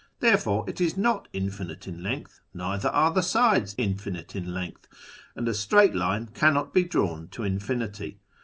Therefore it is not infinite in length, neither are the sides infinite in length, and a straight line cannot be drawn to infinity.